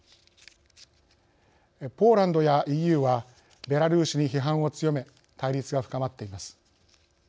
ポーランドやＥＵはベラルーシに批判を強め対立が深まっています。